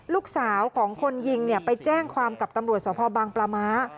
ลูกสาวของคนยิงไปแจ้งความกับตำรวจสภบางปลาม้า